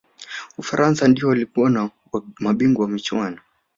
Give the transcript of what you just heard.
ufaransa ndiyo waliyokuwa mabingwa wa michuano